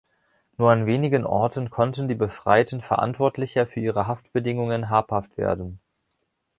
Nur an wenigen Orten konnten die Befreiten Verantwortlicher für ihre Haftbedingungen habhaft werden.